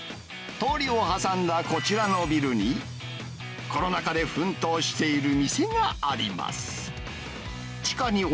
通りを挟んだこちらのビルに、コロナ禍で奮闘している店があります。